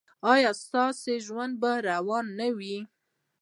ایا ستاسو ژوند به روان نه وي؟